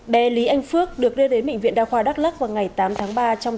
bé lý anh phước được đưa đến bệnh viện đa khoa đắk lắc vào ngày tám tháng ba